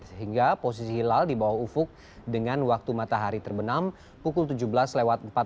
sehingga posisi hilal di bawah ufuk dengan waktu matahari terbenam pukul tujuh belas empat puluh tiga lima puluh empat